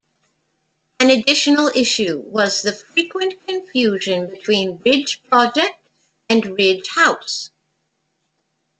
An additional issue was the frequent confusion between Ridge Project and Ridge House.